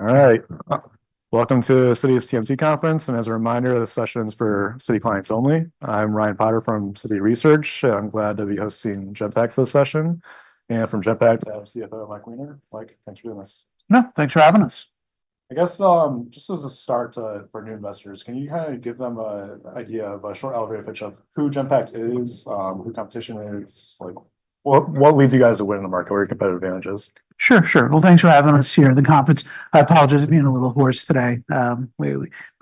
All right. Welcome to the Citi TMT Conference, and as a reminder, this session is for Citi clients only. I'm Ryan Potter from Citi Research. I'm glad to be hosting Genpact for this session, and from Genpact, we have CFO Mike Weiner. Mike, thanks for doing this. Yeah, thanks for having us. I guess, just as a start, for new investors, can you kind of give them a idea of a short elevator pitch of who Genpact is, who competition is? Like, what leads you guys to win in the market or your competitive advantages? Sure, sure. Thanks for having us here at the conference. I apologize for being a little hoarse today. We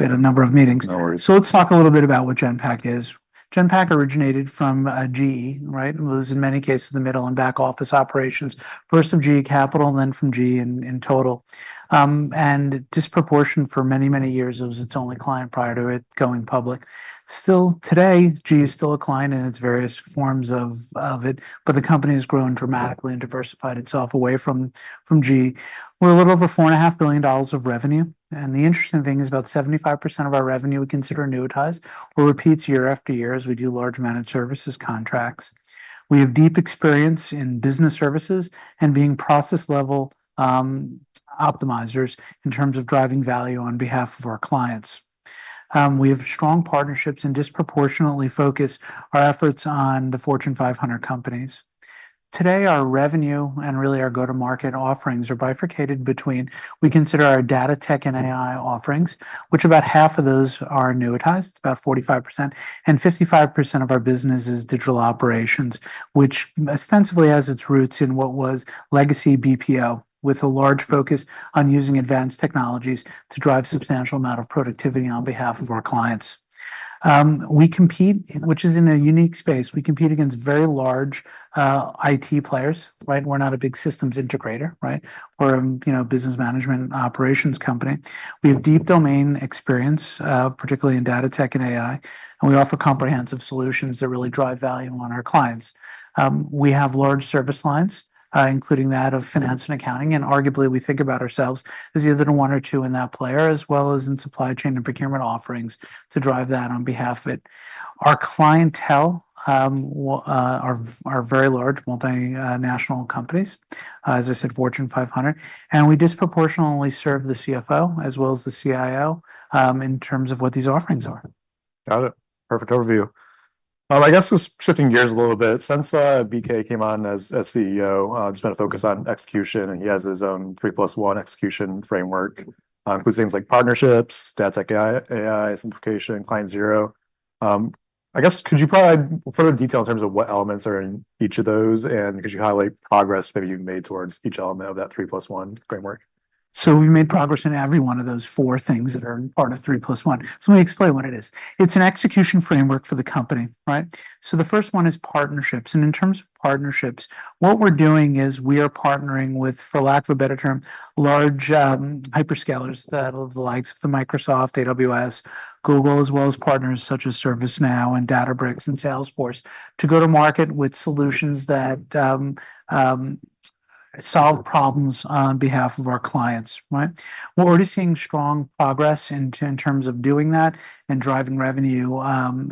had a number of meetings. No worries. Let's talk a little bit about what Genpact is. Genpact originated from GE, right? It was, in many cases, the middle and back office operations, first from GE Capital and then from GE in total. And for many, many years, it was its only client prior to it going public. Still, today, GE is still a client in its various forms of it, but the company has grown dramatically and diversified itself away from GE. We're a little over $4.5 billion of revenue, and the interesting thing is about 75% of our revenue we consider annuitized or repeats year after year, as we do large managed services contracts. We have deep experience in business services and being process-level optimizers in terms of driving value on behalf of our clients. We have strong partnerships and disproportionately focus our efforts on the Fortune 500 companies. Today, our revenue and really our go-to-market offerings are bifurcated between, we consider our data tech and AI offerings, which about half of those are annuitized, about 45%, and 55% of our business is digital operations, which ostensibly has its roots in what was legacy BPO, with a large focus on using advanced technologies to drive substantial amount of productivity on behalf of our clients. We compete, which is in a unique space, we compete against very large, IT players, right? We're not a big systems integrator, right? We're a, you know, business management and operations company. We have deep domain experience, particularly in data tech and AI, and we offer comprehensive solutions that really drive value on our clients. We have large service lines, including that of finance and accounting, and arguably, we think about ourselves as either the number one or number two player, as well as in supply chain and procurement offerings to drive that on behalf of it. Our clientele are very large multinational companies, as I said, Fortune 500, and we disproportionately serve the CFO as well as the CIO, in terms of what these offerings are. Got it. Perfect overview. I guess just shifting gears a little bit, since BK came on as CEO, there's been a focus on execution, and he has his own 3+1 execution framework, includes things like partnerships, Data-Tech-AI, simplification, Client Zero. I guess could you provide further detail in terms of what elements are in each of those and could you highlight progress maybe you've made towards each element of that 3+1 framework? So we've made progress in every one of those four things that are part of three plus one. So let me explain what it is. It's an execution framework for the company, right? So the first one is partnerships, and in terms of partnerships, what we're doing is we are partnering with, for lack of a better term, large hyperscalers, the likes of the Microsoft, AWS, Google, as well as partners such as ServiceNow and Databricks and Salesforce, to go to market with solutions that solve problems on behalf of our clients, right? We're already seeing strong progress in terms of doing that and driving revenue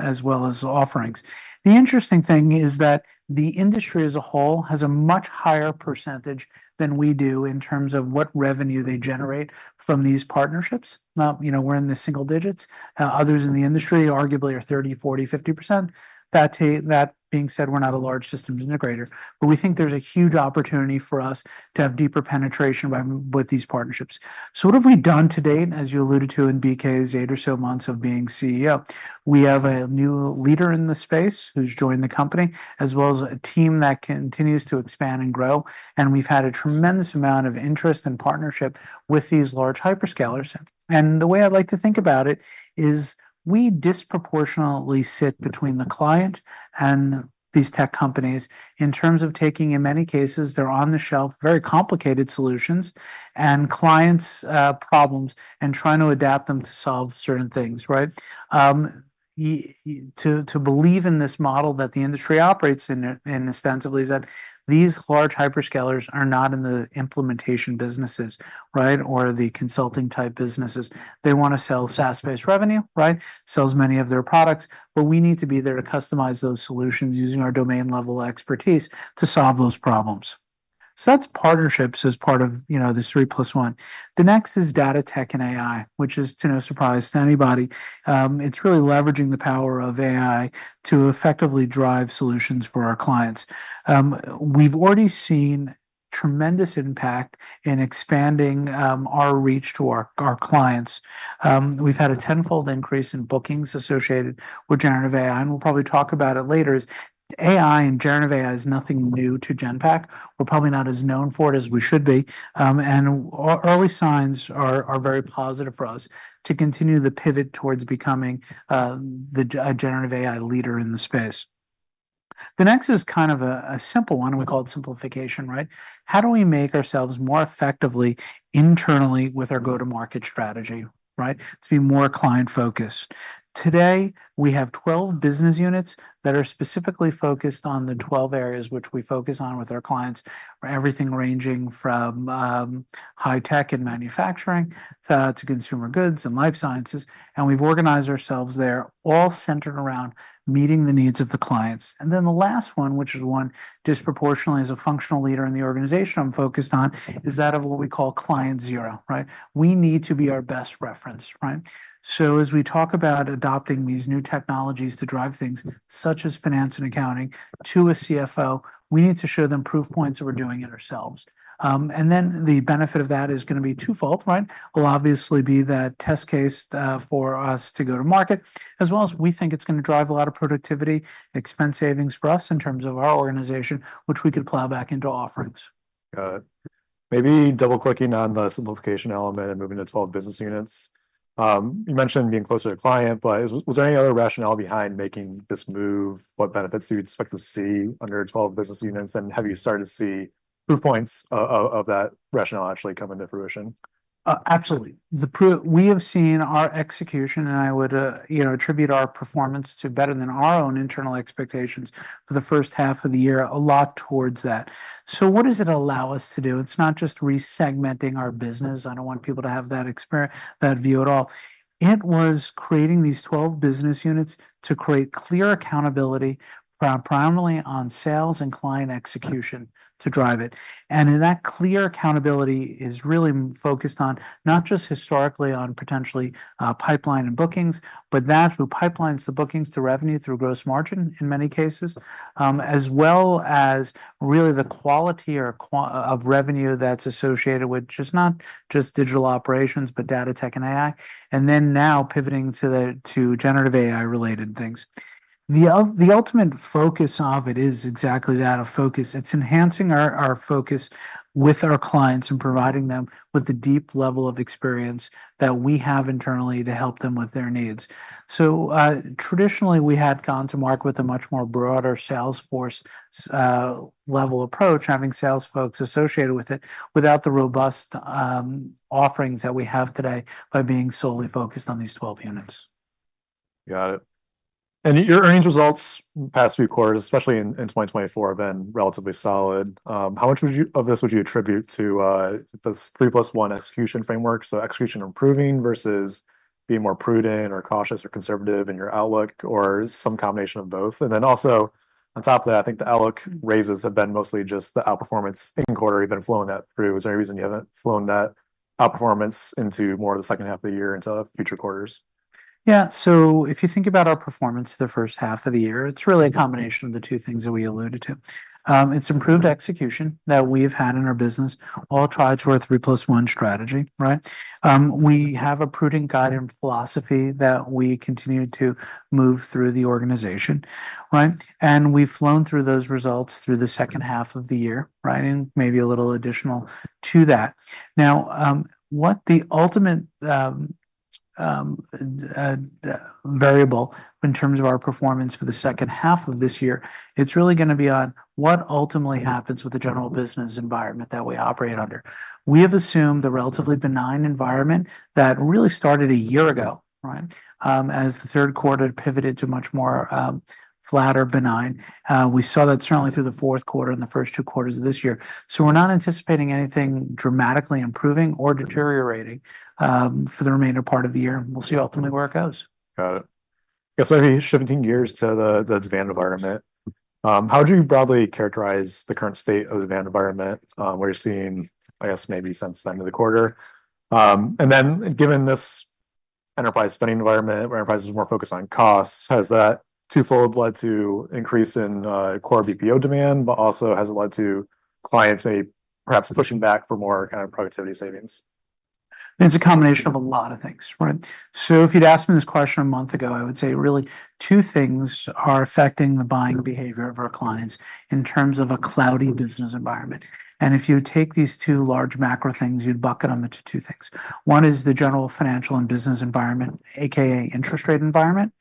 as well as offerings. The interesting thing is that the industry as a whole has a much higher percentage than we do in terms of what revenue they generate from these partnerships. Now, you know, we're in the single digits. Others in the industry arguably are 30%, 40%, 50%. That being said, we're not a large systems integrator, but we think there's a huge opportunity for us to have deeper penetration by with these partnerships. So what have we done to date, as you alluded to, in BK's eight or so months of being CEO? We have a new leader in the space who's joined the company, as well as a team that continues to expand and grow, and we've had a tremendous amount of interest and partnership with these large hyperscalers. The way I'd like to think about it is we disproportionately sit between the client and these tech companies in terms of taking, in many cases, they're on the shelf, very complicated solutions and clients' problems, and trying to adapt them to solve certain things, right? To believe in this model that the industry operates in, in ostensibly is that these large hyperscalers are not in the implementation businesses, right? Or the consulting type businesses. They wanna sell SaaS-based revenue, right? Sell as many of their products, but we need to be there to customize those solutions using our domain-level expertise to solve those problems. So that's partnerships as part of, you know, the three plus one. The next is data tech and AI, which is to no surprise to anybody. It's really leveraging the power of AI to effectively drive solutions for our clients. We've already seen tremendous impact in expanding our reach to our clients. We've had a tenfold increase in bookings associated with generative AI, and we'll probably talk about it later. AI and generative AI is nothing new to Genpact. We're probably not as known for it as we should be, and early signs are very positive for us to continue the pivot towards becoming a generative AI leader in the space. The next is kind of a simple one, and we call it simplification, right? How do we make ourselves more effectively internally with our go-to-market strategy, right? To be more client-focused. Today, we have 12 business units that are specifically focused on the 12 areas which we focus on with our clients, everything ranging from high tech and manufacturing to consumer goods and life sciences, and we've organized ourselves there, all centered around meeting the needs of the clients. And then the last one, which is one disproportionately as a functional leader in the organization I'm focused on, is that of what we call Client Zero, right? We need to be our best reference, right? So as we talk about adopting these new technologies to drive things such as finance and accounting to a CFO, we need to show them proof points that we're doing it ourselves. And then the benefit of that is gonna be twofold, right? Will obviously be that test case, for us to go to market, as well as we think it's gonna drive a lot of productivity, expense savings for us in terms of our organization, which we could plow back into offerings. Got it. Maybe double-clicking on the simplification element and moving to 12 business units. You mentioned being closer to the client, but was there any other rationale behind making this move? What benefits do you expect to see under 12 business units? And have you started to see proof points of that rationale actually coming to fruition? Absolutely. We have seen our execution, and I would, you know, attribute our performance to better than our own internal expectations for the first half of the year, a lot towards that. So what does it allow us to do? It's not just re-segmenting our business. I don't want people to have that view at all. It was creating these 12 business units to create clear accountability, primarily on sales and client execution, to drive it. And in that clear accountability is really focused on not just historically on potentially, pipeline and bookings, but that through pipelines to bookings, to revenue, through gross margin in many cases, as well as really the quality of revenue that's associated with just not just digital operations, but data tech and AI, and then now pivoting to the, to generative AI-related things. The ultimate focus of it is exactly that, a focus. It's enhancing our focus with our clients and providing them with the deep level of experience that we have internally to help them with their needs. So, traditionally, we had gone to market with a much more broader sales force level approach, having sales folks associated with it, without the robust offerings that we have today by being solely focused on these 12 units. Got it. And your earnings results past few quarters, especially in 2024, have been relatively solid. How much of this would you attribute to this three plus one execution framework? So execution improving versus being more prudent or cautious or conservative in your outlook, or some combination of both. And then also on top of that, I think the outlook raises have been mostly just the outperformance in quarter. You've been flowing that through. Is there any reason you haven't flown that outperformance into more of the second half of the year into future quarters? Yeah. So if you think about our performance the first half of the year, it's really a combination of the two things that we alluded to. It's improved execution that we've had in our business, all tied to our three plus one strategy, right? We have a prudent guidance philosophy that we continue to move through the organization, right? And we've flown through those results through the second half of the year, right, and maybe a little additional to that. Now, what the ultimate variable in terms of our performance for the second half of this year, it's really gonna be on what ultimately happens with the general business environment that we operate under. We have assumed a relatively benign environment that really started a year ago, right, as the third quarter pivoted to much more, flatter, benign. We saw that certainly through the fourth quarter and the first two quarters of this year. So we're not anticipating anything dramatically improving or deteriorating for the remainder part of the year. We'll see ultimately where it goes. Got it. I guess maybe shifting gears to the demand environment, how would you broadly characterize the current state of the demand environment, where you're seeing, I guess, maybe since the end of the quarter? And then given this enterprise spending environment, where enterprise is more focused on costs, has that twofold led to increase in core BPO demand, but also has it led to clients maybe perhaps pushing back for more kind of productivity savings? It's a combination of a lot of things, right? So if you'd asked me this question a month ago, I would say really two things are affecting the buying behavior of our clients in terms of a cloudy business environment. And if you take these two large macro things, you'd bucket them into two things. One is the general financial and business environment, AKA interest rate environment.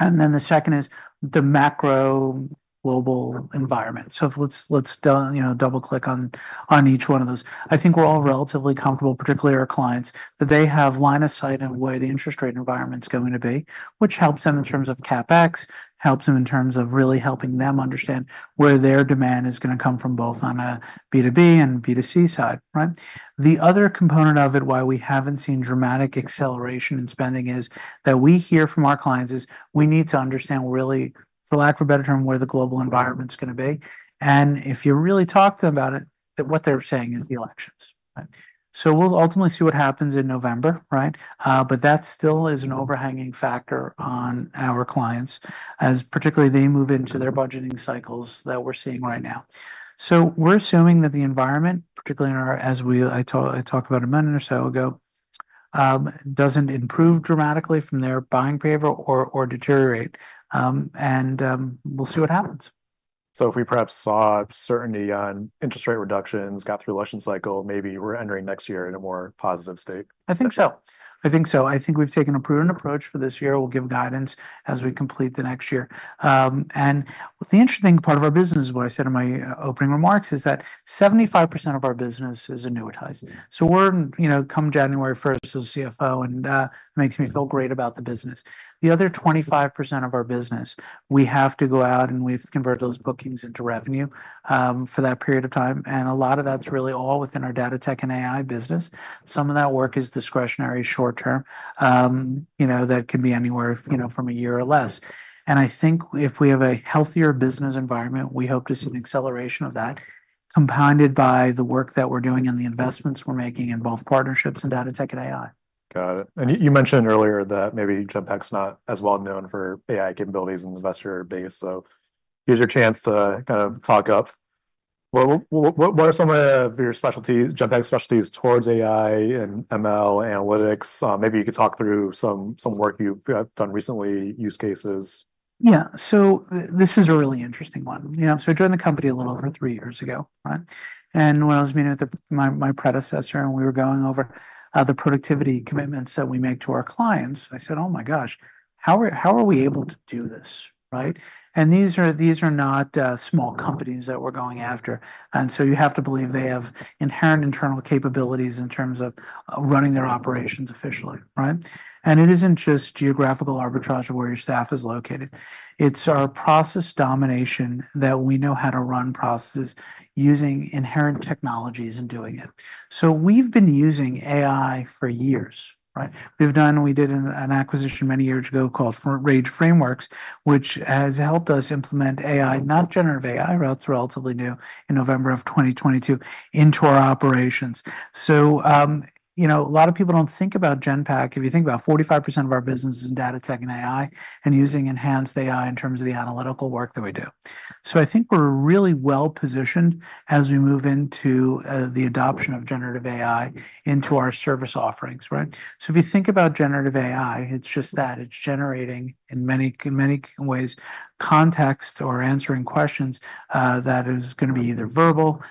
And then the second is the macro global environment. So let's do, you know, double-click on each one of those. I think we're all relatively comfortable, particularly our clients, that they have line of sight in where the interest rate environment's going to be, which helps them in terms of CapEx, helps them in terms of really helping them understand where their demand is gonna come from, both on a B2B and B2C side, right? The other component of it, why we haven't seen dramatic acceleration in spending, is that we hear from our clients we need to understand really, for lack of a better term, where the global environment's gonna be. And if you really talk to them about it, what they're saying is the elections, right? So we'll ultimately see what happens in November, right? But that still is an overhanging factor on our clients, as particularly they move into their budgeting cycles that we're seeing right now. So we're assuming that the environment, particularly in our, as I talked about a minute or so ago, doesn't improve dramatically from their buying behavior or deteriorate. And we'll see what happens. If we perhaps saw certainty on interest rate reductions, got through election cycle, maybe we're entering next year in a more positive state? I think so. I think so. I think we've taken a prudent approach for this year. We'll give guidance as we complete the next year, and the interesting part of our business, what I said in my opening remarks, is that 75% of our business is annuitized. So we're, you know, come January first as CFO, and it makes me feel great about the business. The other 25% of our business, we have to go out, and we've converted those bookings into revenue for that period of time, and a lot of that's really all within our data tech and AI business. Some of that work is discretionary, short term. You know, that can be anywhere, you know, from a year or less, and I think if we have a healthier business environment, we hope to see an acceleration of that.... Compounded by the work that we're doing and the investments we're making in both partnerships and data tech and AI. Got it. And you mentioned earlier that maybe Genpact's not as well known for AI capabilities and investor base, so here's your chance to kind of talk up. What are some of your specialties, Genpact specialties towards AI and ML analytics? Maybe you could talk through some work you've done recently, use cases. Yeah, so this is a really interesting one. You know, so I joined the company a little over three years ago, right? And when I was meeting with my predecessor, and we were going over the productivity commitments that we make to our clients, I said, "Oh, my gosh, how are we able to do this," right? And these are not small companies that we're going after. And so you have to believe they have inherent internal capabilities in terms of running their operations efficiently, right? And it isn't just geographical arbitrage of where your staff is located. It's our process domination that we know how to run processes using inherent technologies in doing it. So we've been using AI for years, right? We did an acquisition many years ago called Rage Frameworks, which has helped us implement AI, not generative AI, well, it's relatively new, in November of 2022, into our operations. So you know, a lot of people don't think about Genpact. If you think about 45% of our business is in data tech and AI, and using enhanced AI in terms of the analytical work that we do. So I think we're really well-positioned as we move into the adoption of generative AI into our service offerings, right? So if you think about generative AI, it's just that. It's generating, in many ways, context or answering questions that is gonna be either verbal,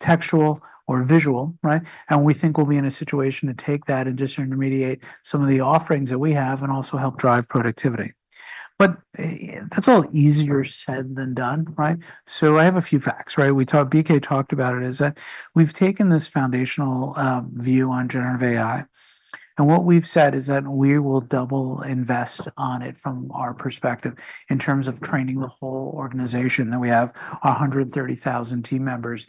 textual, or visual, right? And we think we'll be in a situation to take that and disintermediate some of the offerings that we have and also help drive productivity. But that's all easier said than done, right? So I have a few facts, right? We talked, BK talked about it, is that we've taken this foundational view on generative AI, and what we've said is that we will double invest on it from our perspective in terms of training the whole organization, that we have 130,000 team members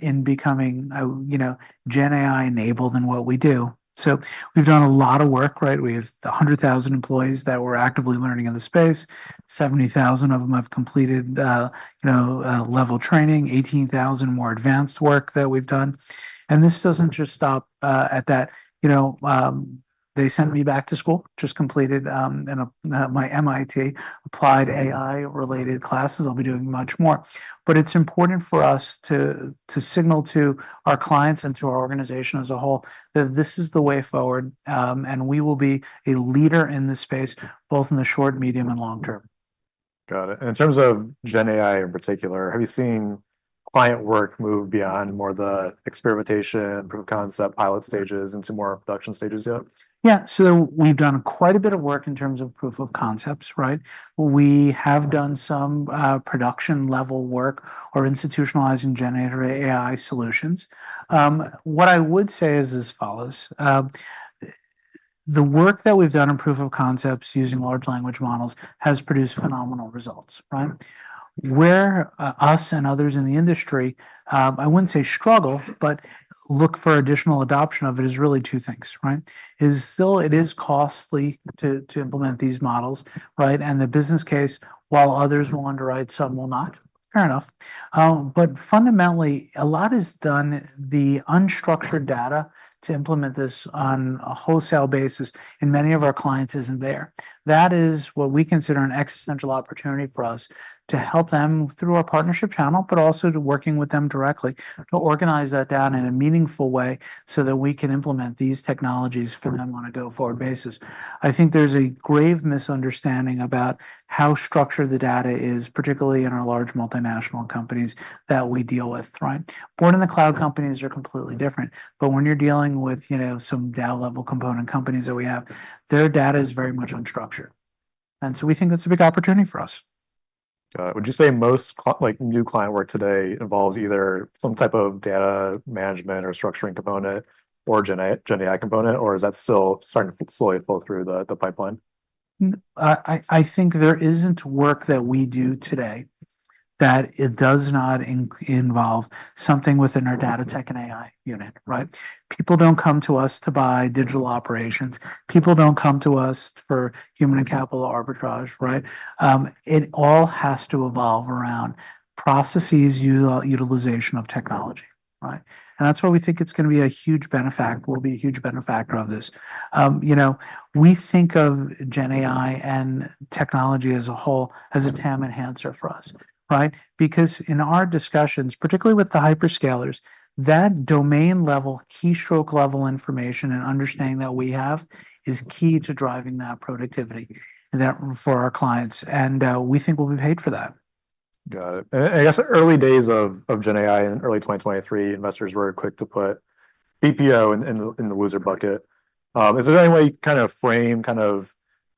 in becoming, you know, Gen AI enabled in what we do. So we've done a lot of work, right? We have 100,000 employees that we're actively learning in the space. 70,000 of them have completed level training, 18,000 more advanced work that we've done. And this doesn't just stop at that. You know, they sent me back to school, just completed my MIT applied AI-related classes. I'll be doing much more. But it's important for us to signal to our clients and to our organization as a whole that this is the way forward, and we will be a leader in this space, both in the short, medium, and long term. Got it. And in terms of Gen AI in particular, have you seen client work move beyond the experimentation, proof of concept, pilot stages into more production stages yet? Yeah, so we've done quite a bit of work in terms of proof of concepts, right? We have done some production-level work or institutionalizing generative AI solutions. What I would say is as follows: The work that we've done in proof of concepts using large language models has produced phenomenal results, right? Where, us and others in the industry, I wouldn't say struggle, but look for additional adoption of it is really two things, right? It is still costly to implement these models, right? And the business case, while others will underwrite, some will not. Fair enough. But fundamentally, a lot is done, the unstructured data to implement this on a wholesale basis in many of our clients isn't there. That is what we consider an existential opportunity for us to help them through our partnership channel, but also to working with them directly, to organize that data in a meaningful way so that we can implement these technologies for them on a go-forward basis. I think there's a grave misunderstanding about how structured the data is, particularly in our large multinational companies that we deal with, right? Born in the cloud companies are completely different, but when you're dealing with, you know, some down-level component companies that we have, their data is very much unstructured, and so we think that's a big opportunity for us. Got it. Would you say most client work, like, new client work today involves either some type of data management or structuring component or Gen AI component, or is that still starting to slowly flow through the pipeline? I think there isn't work that we do today, that it does not involve something within our data tech and AI unit, right? People don't come to us to buy digital operations. People don't come to us for human capital arbitrage, right? It all has to evolve around process utilization of technology, right? And that's why we think it's gonna be a huge beneficiary of this. You know, we think of Gen AI and technology as a whole, as a TAM enhancer for us, right? Because in our discussions, particularly with the hyperscalers, that domain-level, keystroke-level information and understanding that we have is key to driving that productivity and that for our clients, and we think we'll be paid for that. Got it. And I guess early days of Gen AI in early 2023, investors were quick to put BPO in the loser bucket. Is there any way you kind of frame, kind of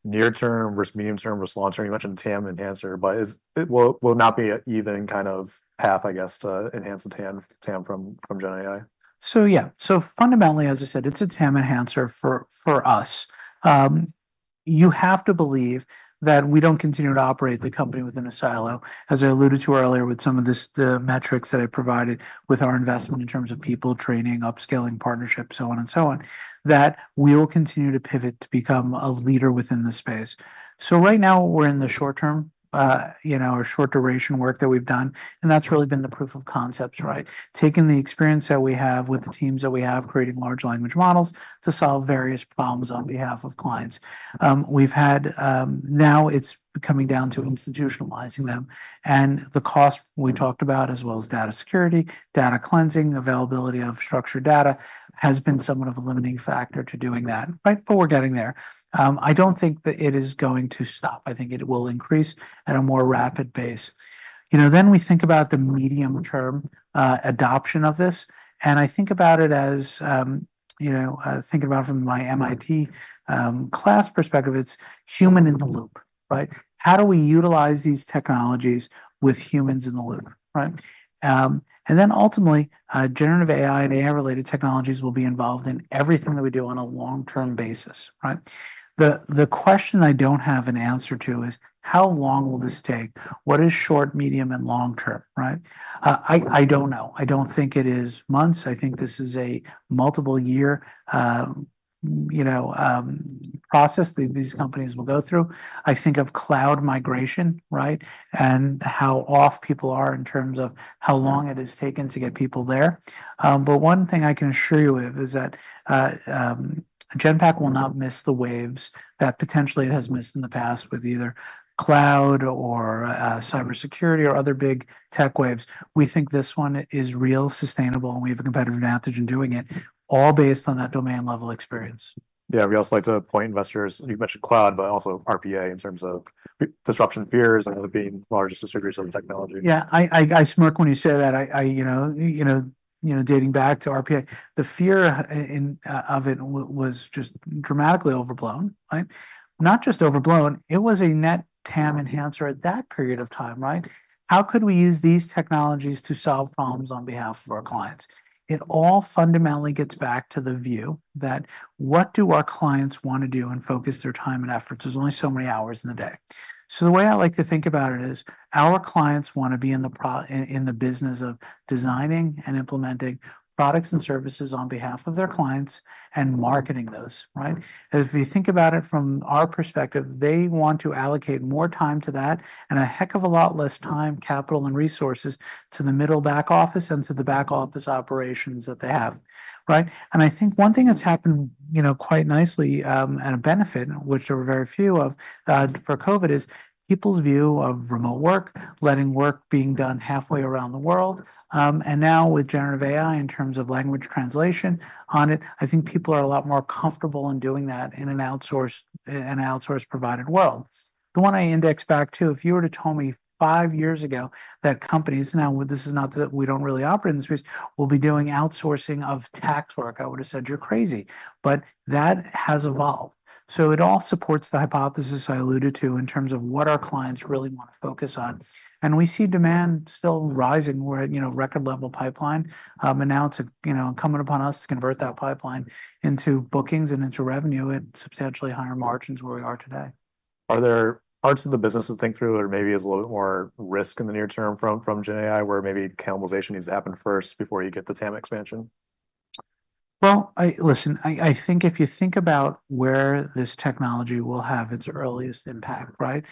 near term versus medium term versus long term? You mentioned TAM enhancer, but is it... It will not be an even kind of path, I guess, to enhance the TAM from Gen AI. So yeah. So fundamentally, as I said, it's a TAM enhancer for us. You have to believe that we don't continue to operate the company within a silo. As I alluded to earlier, with some of this, the metrics that I provided with our investment in terms of people training, upskilling, partnerships, so on and so on, that we will continue to pivot to become a leader within the space. So right now, we're in the short term, or short duration work that we've done, and that's really been the proof of concepts, right? Taking the experience that we have with the teams that we have, creating large language models to solve various problems on behalf of clients. We've had, now it's coming down to institutionalizing them, and the cost we talked about, as well as data security, data cleansing, availability of structured data, has been somewhat of a limiting factor to doing that, right? But we're getting there. I don't think that it is going to stop. I think it will increase at a more rapid pace. You know, then we think about the medium-term adoption of this, and I think about it as, you know, thinking about it from my MIT class perspective, it's human in the loop, right? And then ultimately, generative AI and AI-related technologies will be involved in everything that we do on a long-term basis, right? The question I don't have an answer to is: how long will this take? What is short, medium, and long term, right? I don't know. I don't think it is months. I think this is a multiple year, you know, process that these companies will go through. I think of cloud migration, right, and how off people are in terms of how long it has taken to get people there, but one thing I can assure you of is that Genpact will not miss the waves that potentially it has missed in the past with either cloud or cybersecurity or other big tech waves. We think this one is real sustainable, and we have a competitive advantage in doing it, all based on that domain-level experience. Yeah, we also like to point to investors. You mentioned cloud, but also RPA, in terms of disruption fears, and us being the largest distributors of the technology. Yeah, I smirk when you say that. I, you know, dating back to RPA, the fear of it was just dramatically overblown, right? Not just overblown, it was a net TAM enhancer at that period of time, right? How could we use these technologies to solve problems on behalf of our clients? It all fundamentally gets back to the view that, what do our clients want to do and focus their time and efforts? There's only so many hours in the day. So the way I like to think about it is, our clients want to be in the business of designing and implementing products and services on behalf of their clients and marketing those, right? If you think about it from our perspective, they want to allocate more time to that and a heck of a lot less time, capital, and resources to the middle back office and to the back office operations that they have, right? I think one thing that's happened, you know, quite nicely, at a benefit, which there were very few of, for COVID, is people's view of remote work, letting work being done halfway around the world. Now with generative AI, in terms of language translation on it, I think people are a lot more comfortable in doing that in an outsource-provided world. The one I index back to, if you were to tell me five years ago that companies, now, this is not that we don't really operate in this space, will be doing outsourcing of tax work, I would have said, "You're crazy." But that has evolved. So it all supports the hypothesis I alluded to in terms of what our clients really want to focus on. And we see demand still rising. We're at, you know, record level pipeline, and now it's, you know, incumbent upon us to convert that pipeline into bookings and into revenue at substantially higher margins where we are today. Are there parts of the business to think through or maybe is a little bit more risk in the near term from Gen AI, where maybe cannibalization needs to happen first before you get the TAM expansion? Listen, I think if you think about where this technology will have its earliest impact, right?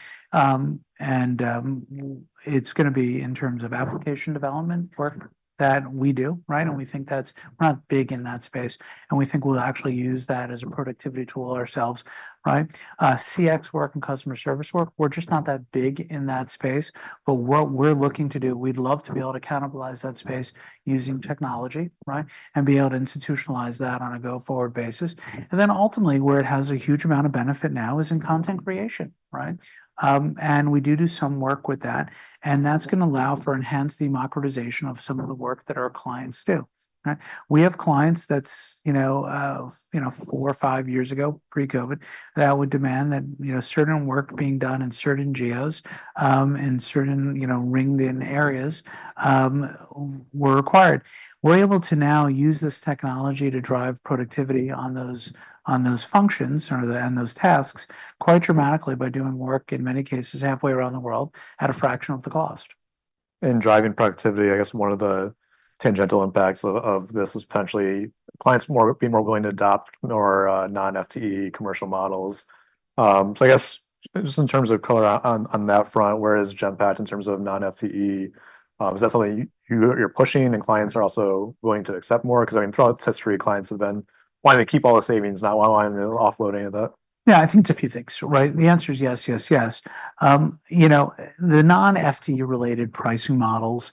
It's gonna be in terms of application development work that we do, right? And we think that's. We're not big in that space, and we think we'll actually use that as a productivity tool ourselves, right? CX work and customer service work, we're just not that big in that space. But what we're looking to do, we'd love to be able to cannibalize that space using technology, right? And be able to institutionalize that on a go-forward basis. And then ultimately, where it has a huge amount of benefit now is in content creation, right? And we do do some work with that, and that's gonna allow for enhanced democratization of some of the work that our clients do, right? We have clients that's, you know, you know, four or five years ago, pre-COVID, that would demand that, you know, certain work being done in certain geos, and certain, you know, ringed-in areas, were required. We're able to now use this technology to drive productivity on those, on those functions or and those tasks quite dramatically by doing work, in many cases, halfway around the world at a fraction of the cost. In driving productivity, I guess one of the tangential impacts of this is potentially clients may be more willing to adopt more non-FTE commercial models. So I guess just in terms of color on that front, where is Genpact in terms of non-FTE? Is that something you're pushing and clients are also willing to accept more? Because, I mean, throughout history, clients have been wanting to keep all the savings, not wanting to offload any of that. Yeah, I think it's a few things, right? The answer is yes, yes, yes. You know, the non-FTE-related pricing models,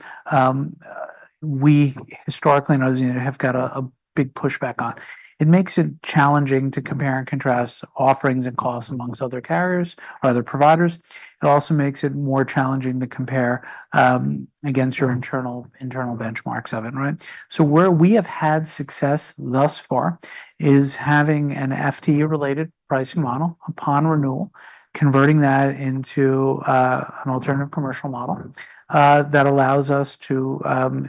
we historically, and as you know, have got a big pushback on. It makes it challenging to compare and contrast offerings and costs among other carriers or other providers. It also makes it more challenging to compare against your internal benchmarks of it, right? So where we have had success thus far is having an FTE-related pricing model upon renewal, converting that into an alternative commercial model that allows us to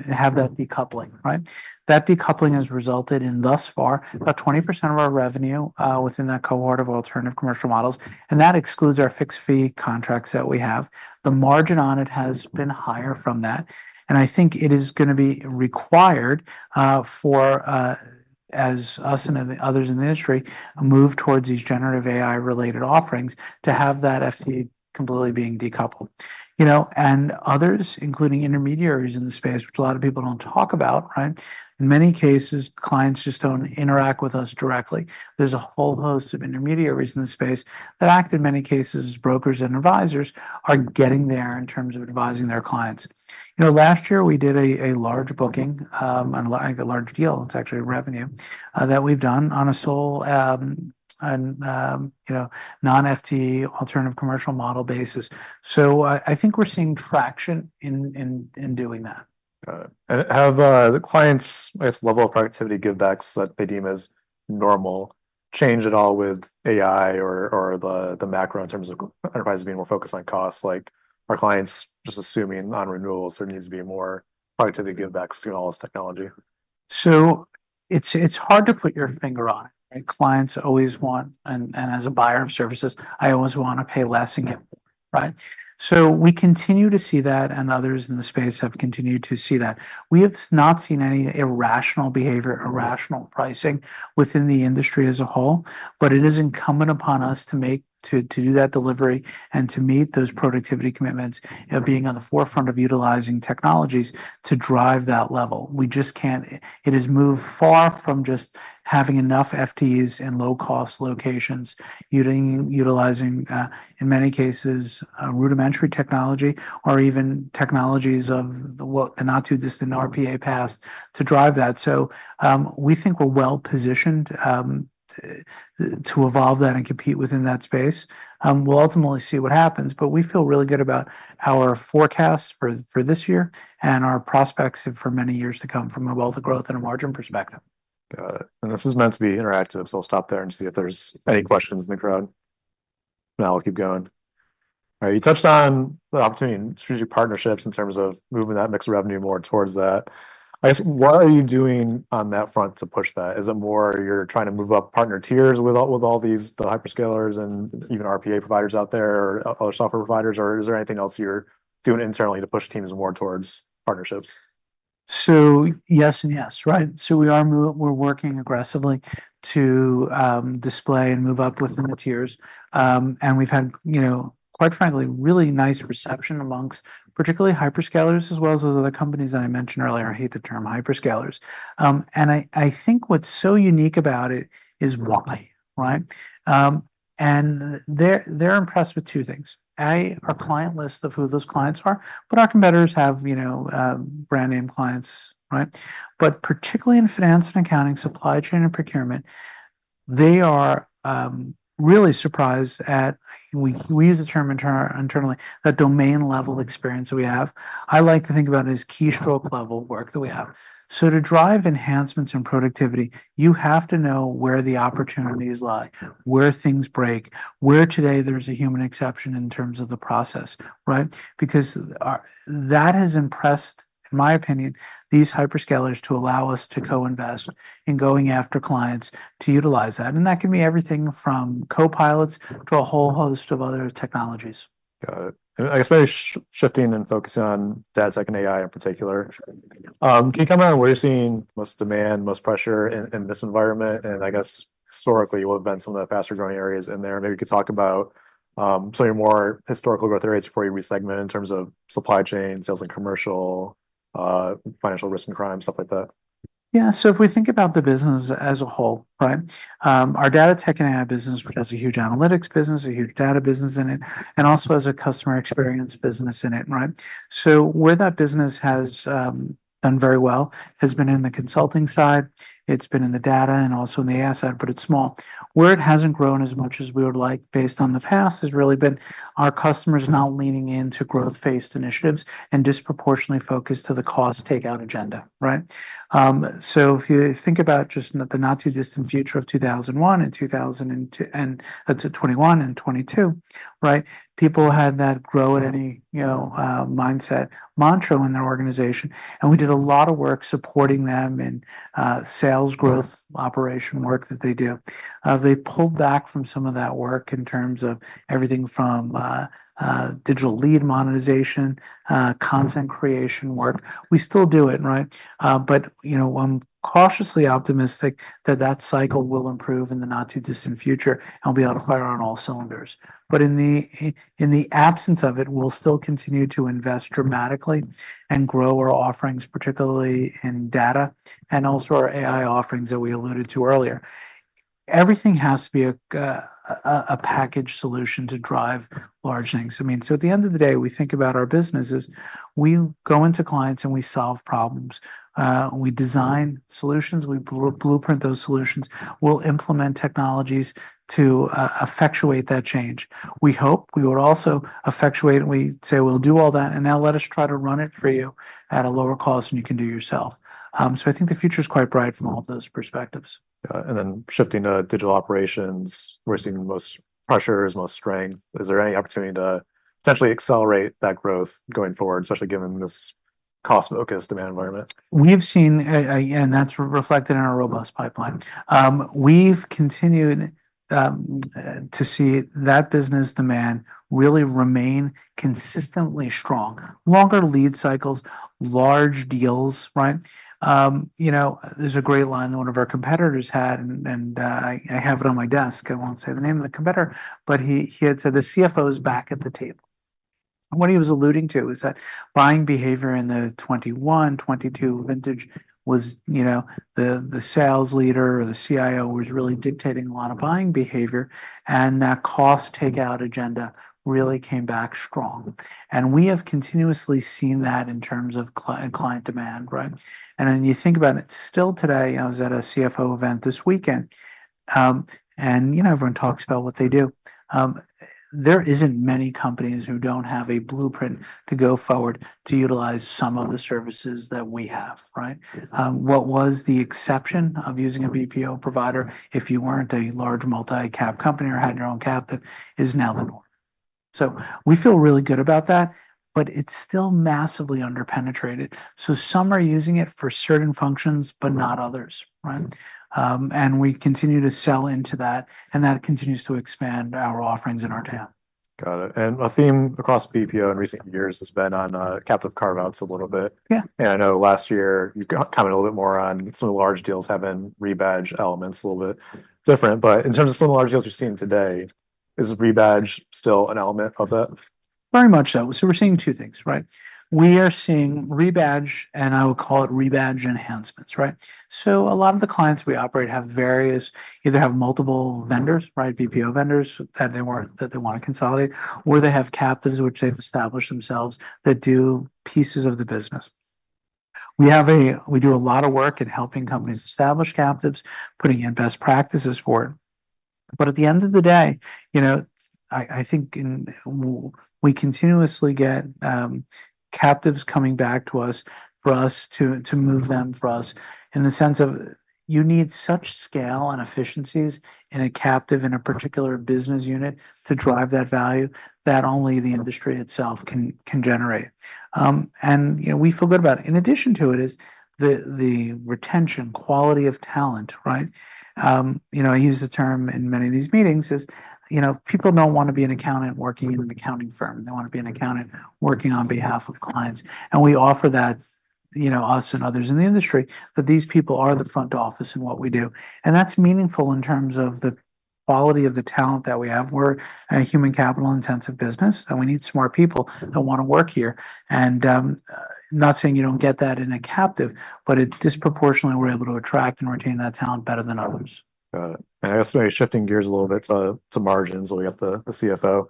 have that decoupling, right? That decoupling has resulted in, thus far, about 20% of our revenue within that cohort of alternative commercial models, and that excludes our fixed-fee contracts that we have. The margin on it has been higher from that, and I think it is gonna be required for as we and the others in the industry move towards these generative AI-related offerings, to have that FTE completely being decoupled. You know, and others, including intermediaries in the space, which a lot of people don't talk about, right? In many cases, clients just don't interact with us directly. There's a whole host of intermediaries in this space that act, in many cases, as brokers and advisors, are getting there in terms of advising their clients. You know, last year we did a large booking on, like, a large deal. It's actually revenue that we've done on a SaaS and, you know, non-FTE alternative commercial model basis. So I think we're seeing traction in doing that. Got it. And have the clients' level of productivity givebacks that they deem as normal change at all with AI or the macro in terms of enterprises being more focused on costs? Like, are clients just assuming on renewals there needs to be more productivity givebacks given all this technology? So it's hard to put your finger on it, right? Clients always want... And as a buyer of services, I always wanna pay less and get more, right? So we continue to see that, and others in the space have continued to see that. We have not seen any irrational behavior, irrational pricing within the industry as a whole, but it is incumbent upon us to make to do that delivery and to meet those productivity commitments, you know, being on the forefront of utilizing technologies to drive that level. We just can't. It has moved far from just having enough FTEs in low-cost locations, utilizing, in many cases, rudimentary technology or even technologies of the not-too-distant RPA past, to drive that. So, we think we're well-positioned, to evolve that and compete within that space. We'll ultimately see what happens, but we feel really good about our forecasts for this year and our prospects for many years to come, from a wealth of growth and a margin perspective. Got it. And this is meant to be interactive, so I'll stop there and see if there's any questions in the crowd. No, I'll keep going. All right, you touched on the opportunity in strategic partnerships in terms of moving that mixed revenue more towards that. I guess, what are you doing on that front to push that? Is it more you're trying to move up partner tiers with all these, the hyperscalers and even RPA providers out there or other software providers, or is there anything else you're doing internally to push teams more towards partnerships? So yes and yes, right. So we're working aggressively to display and move up within the tiers. And we've had, you know, quite frankly, really nice reception amongst particularly hyperscalers, as well as those other companies that I mentioned earlier. I hate the term hyperscalers. And I think what's so unique about it is why, right? And they're impressed with two things. A, our client list of who those clients are, but our competitors have, you know, brand-name clients, right? But particularly in finance and accounting, supply chain, and procurement, they are really surprised at. We use the term internally, the domain-level experience that we have. I like to think about it as keystroke-level work that we have. So to drive enhancements in productivity, you have to know where the opportunities lie, where things break, where today there's a human exception in terms of the process, right? Because that has impressed, in my opinion, these hyperscalers to allow us to co-invest in going after clients to utilize that. And that can be everything from copilots to a whole host of other technologies. Got it. I guess maybe shifting and focusing on data tech and AI in particular, can you comment on where you're seeing most demand, most pressure in this environment? And I guess, historically, what have been some of the faster-growing areas in there? Maybe you could talk about some of your more historical growth rates before you re-segment in terms of supply chain, sales and commercial, financial risk and crime, stuff like that. Yeah. So if we think about the business as a whole, right? Our data tech and AI business, which has a huge analytics business, a huge data business in it, and also has a customer experience business in it, right? So where that business has done very well has been in the consulting side, it's been in the data, and also in the AI side, but it's small. Where it hasn't grown as much as we would like based on the past, has really been our customers now leaning into growth-focused initiatives and disproportionately focused to the cost take-out agenda, right? So if you think about just the not-too-distant future of 2001 and 2002, and to 2021 and 2022, right? People had that grow at any, you know, mindset mantra in their organization, and we did a lot of work supporting them in sales growth, operation work that they do. They pulled back from some of that work in terms of everything from digital lead monetization, content creation work. We still do it, right? But, you know, I'm cautiously optimistic that that cycle will improve in the not-too-distant future and will be on fire on all cylinders. But in the absence of it, we'll still continue to invest dramatically and grow our offerings, particularly in data and also our AI offerings that we alluded to earlier. Everything has to be a packaged solution to drive large things. I mean, so at the end of the day, we think about our businesses. We go into clients, and we solve problems. We design solutions. We blueprint those solutions. We'll implement technologies to effectuate that change. We hope we would also effectuate, and we say, "We'll do all that, and now let us try to run it for you at a lower cost than you can do yourself," so I think the future is quite bright from all of those perspectives. And then shifting to Digital Operations, where you're seeing the most pressures, most strength. Is there any opportunity to potentially accelerate that growth going forward, especially given this cost-focused demand environment? We've seen, and that's reflected in our robust pipeline. We've continued to see that business demand really remain consistently strong. Longer lead cycles, large deals, right? You know, there's a great line that one of our competitors had, and I have it on my desk. I won't say the name of the competitor, but he had said, "The CFO's back at the table." What he was alluding to was that buying behavior in the 2021, 2022 vintage was, you know, the sales leader or the CIO was really dictating a lot of buying behavior, and that cost takeout agenda really came back strong. And we have continuously seen that in terms of client demand, right? And then you think about it. Still today, I was at a CFO event this weekend, and, you know, everyone talks about what they do. There isn't many companies who don't have a blueprint to go forward to utilize some of the services that we have, right? Mm-hmm. What was the exception of using a BPO provider if you weren't a large multi-cap company or had your own cap, that is now the norm. So we feel really good about that, but it's still massively under-penetrated. So some are using it for certain functions- Mm-hmm. but not others, right? Mm-hmm. And we continue to sell into that, and that continues to expand our offerings and our TAM. Got it, and a theme across BPO in recent years has been on, captive carve-outs a little bit. Yeah. I know last year you commented a little bit more on some of the large deals having rebadge elements, a little bit different. In terms of some of the large deals you're seeing today, is rebadge still an element of that? Very much so. So we're seeing two things, right? We are seeing rebadge, and I would call it rebadge enhancements, right? So a lot of the clients we operate have various... either have multiple vendors, right, BPO vendors, that they want to consolidate, or they have captives, which they've established themselves, that do pieces of the business. We do a lot of work in helping companies establish captives, putting in best practices for it. But at the end of the day, you know, I think and we continuously get captives coming back to us, for us to move them- Mm-hmm. for us, in the sense of you need such scale and efficiencies in a captive, in a particular business unit to drive that value that only the industry itself can generate. And, you know, we feel good about it. In addition to it is the retention quality of talent, right? You know, I use the term in many of these meetings is, you know, people don't want to be an accountant working in an accounting firm. They want to be an accountant working on behalf of clients, and we offer that, you know, us and others in the industry, that these people are the front office in what we do, and that's meaningful in terms of the quality of the talent that we have. We're a human capital-intensive business, and we need smart people who want to work here. Not saying you don't get that in a captive, but it disproportionately, we're able to attract and retain that talent better than others. Got it, and I guess maybe shifting gears a little bit to margins. We got the CFO.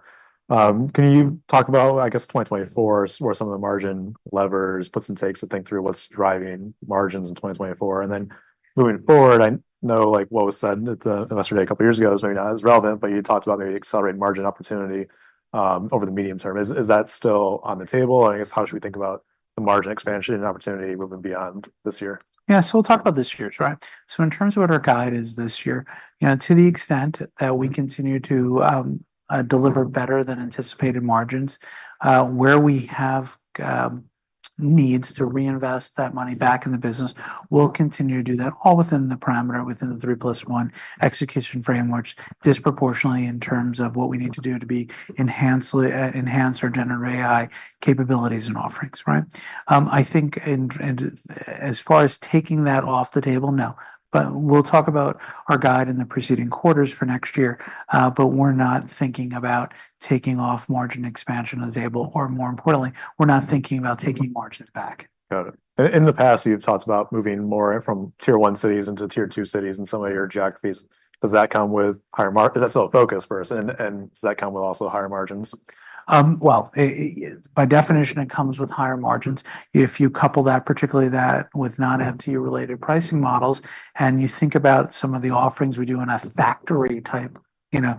Can you talk about, I guess, 2024, where some of the margin levers, puts and takes, to think through what's driving margins in 2024? And then looking forward, I know, like, what was said at the investor day a couple years ago is maybe not as relevant, but you talked about maybe accelerating margin opportunity over the medium term. Is that still on the table? And I guess, how should we think about the margin expansion and opportunity moving beyond this year? Yeah. So we'll talk about this year, right? So in terms of what our guide is this year, you know, to the extent that we continue to deliver better than anticipated margins, where we have needs to reinvest that money back in the business, we'll continue to do that all within the parameter, within the three plus one execution framework, disproportionately in terms of what we need to do to enhance our generative AI capabilities and offerings, right? I think and as far as taking that off the table, no, but we'll talk about our guide in the preceding quarters for next year. But we're not thinking about taking off margin expansion on the table, or more importantly, we're not thinking about taking margins back. Got it. In the past, you've talked about moving more from Tier One cities into Tier Two cities in some of your geographies. Does that come with higher mar-- Is that still a focus for us, and does that come with also higher margins? By definition, it comes with higher margins. If you couple that, particularly that with non-FTE-related pricing models, and you think about some of the offerings we do in a factory type, you know,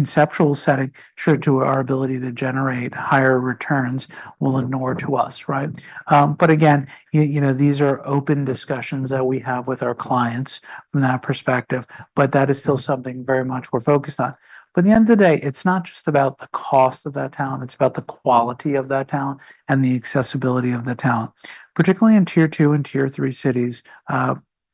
conceptual setting, sure to our ability to generate higher returns will inure to us, right? But again, you know, these are open discussions that we have with our clients from that perspective, but that is still something very much we're focused on. But at the end of the day, it's not just about the cost of that talent, it's about the quality of that talent and the accessibility of the talent. Particularly in Tier Two and Tier Three cities,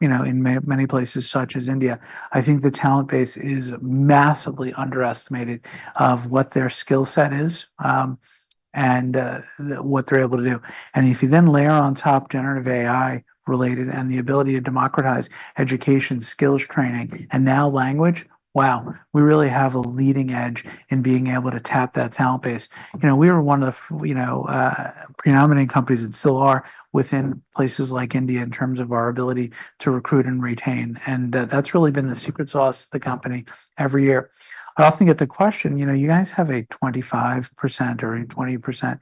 you know, in many places such as India, I think the talent base is massively underestimated of what their skill set is, and what they're able to do. And if you then layer on top generative AI-related and the ability to democratize education, skills training, and now language, wow, we really have a leading edge in being able to tap that talent base. You know, we were one of the predominant companies and still are, within places like India, in terms of our ability to recruit and retain, and that's really been the secret sauce of the company every year. I often get the question: "You know, you guys have a 25% or a 20%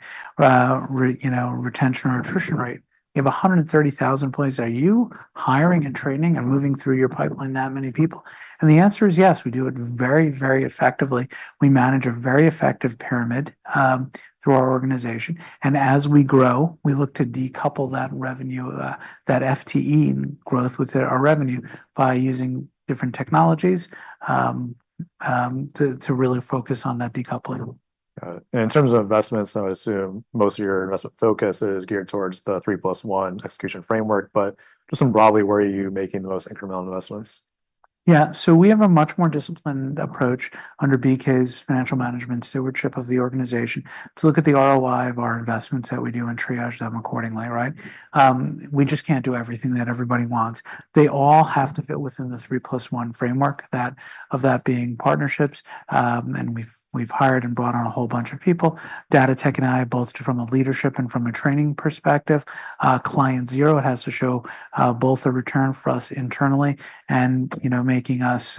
retention or attrition rate. You have 130,000 employees. Are you hiring and training and moving through your pipeline that many people?" And the answer is yes. We do it very, very effectively. We manage a very effective pyramid through our organization, and as we grow, we look to decouple that revenue, that FTE growth within our revenue by using different technologies to really focus on that decoupling.... Got it. And in terms of investments, I would assume most of your investment focus is geared towards the three plus one execution framework, but just broadly, where are you making the most incremental investments? Yeah, so we have a much more disciplined approach under BK's financial management stewardship of the organization to look at the ROI of our investments that we do and triage them accordingly, right? We just can't do everything that everybody wants. They all have to fit within the three plus one framework, that being partnerships. And we've hired and brought on a whole bunch of people, data, tech, and AI, both from a leadership and from a training perspective. Client zero has to show both a return for us internally and, you know, making us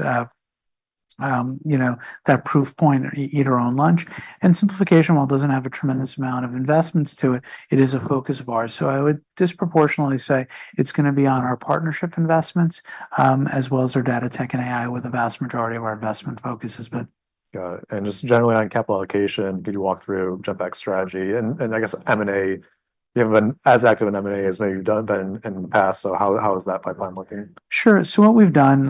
that proof point, eat our own lunch. And simplification, while it doesn't have a tremendous amount of investments to it, it is a focus of ours. So I would disproportionately say it's gonna be on our partnership investments, as well as our data tech and AI, where the vast majority of our investment focus has been. Got it. And just generally, on capital allocation, could you walk through Genpact's strategy? And I guess M&A, you haven't been as active in M&A as maybe you've done in the past. So how is that pipeline looking? Sure. So what we've done,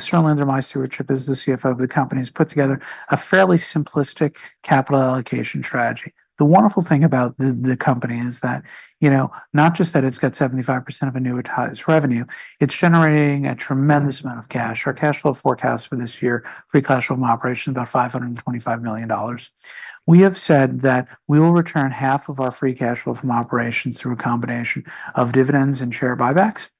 certainly under my stewardship as the CFO of the company, is put together a fairly simplistic capital allocation strategy. The wonderful thing about the company is that, you know, not just that it's got 75% of annuity revenue, it's generating a tremendous amount of cash. Our cash flow forecast for this year, free cash flow from operations, about $525 million. We have said that we will return half of our free cash flow from operations through a combination of dividends and share buybacks.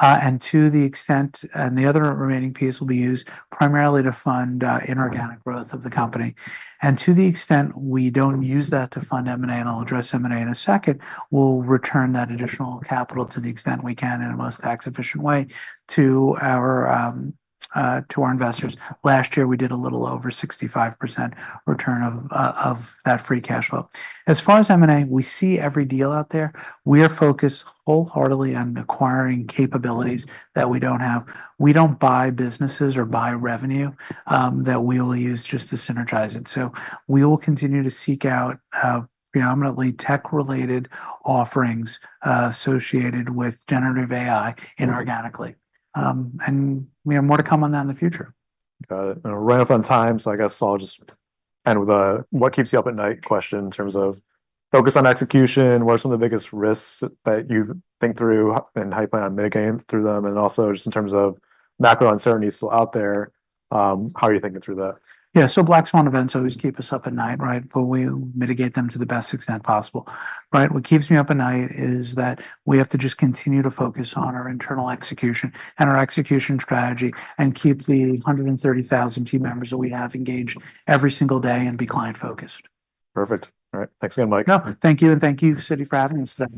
And to the extent... And the other remaining piece will be used primarily to fund inorganic growth of the company. And to the extent we don't use that to fund M&A, and I'll address M&A in a second, we'll return that additional capital to the extent we can in a most tax-efficient way to our investors. Last year, we did a little over 65% return of that free cash flow. As far as M&A, we see every deal out there. We are focused wholeheartedly on acquiring capabilities that we don't have. We don't buy businesses or buy revenue that we only use just to synergize it. So we will continue to seek out predominantly tech-related offerings associated with generative AI inorganically. And we have more to come on that in the future. Got it. We're running up on time, so I guess I'll just end with a what keeps you up at night question in terms of focus on execution. What are some of the biggest risks that you've thought through, and how you plan on mitigating through them? And also, just in terms of macro uncertainty still out there, how are you thinking through that? Yeah, so black swan events always keep us up at night, right? But we mitigate them to the best extent possible. But what keeps me up at night is that we have to just continue to focus on our internal execution and our execution strategy and keep the 130,000 team members that we have engaged every single day and be client-focused. Perfect. All right. Thanks again, Mike. No, thank you, and thank you, Citi, for having us today.